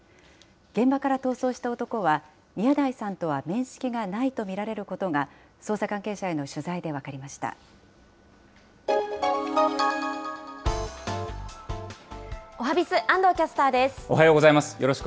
現場から逃走した男は、宮台さんとは面識がないと見られることが捜査関係者への取材で分おはＢｉｚ、おはようございます。